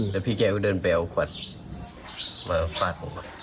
แล้วพี่แกก็เดินไปเอาขวดมาฟาดผม